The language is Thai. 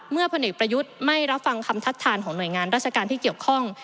พลเอกประยุทธ์ไม่รับฟังคำทัดทานของหน่วยงานราชการที่เกี่ยวข้อง